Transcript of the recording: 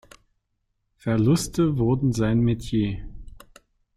Verluste wurden sein Metier.